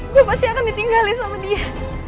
gue pasti akan ditinggalin sama dia